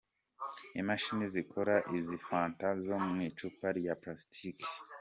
Imashini zikora izi Fanta zo mu icupa rya Plastic.